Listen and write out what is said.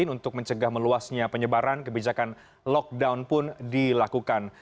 untuk mencegah meluasnya penyebaran kebijakan lockdown pun dilakukan